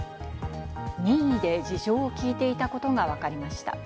任意で事情を聞いていたことがわかりました。